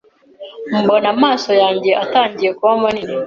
mbona amaso yanjye atangiye kuba manini